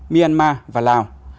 myanmar và lào